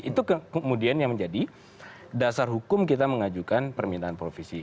itu kemudian yang menjadi dasar hukum kita mengajukan permintaan provisi